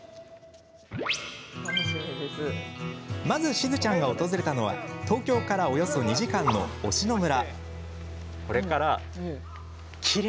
まず、しずちゃんが訪れたのは東京からおよそ２時間の忍野村。